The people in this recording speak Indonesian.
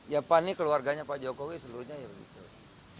ya pan ini keluarganya pak jokowi seluruhnya ya begitu